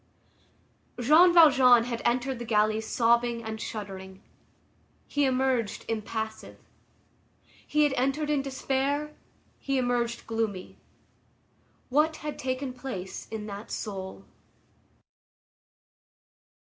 Jean Valjean had entered the galleys sobbing and shuddering; he emerged impassive. He had entered in despair; he emerged gloomy. What had taken place in that soul?